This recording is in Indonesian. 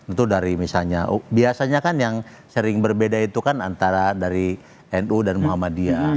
itu dari misalnya biasanya kan yang sering berbeda itu kan antara dari nu dan muhammadiyah